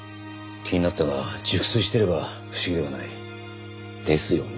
気になったが熟睡していれば不思議ではない。ですよね。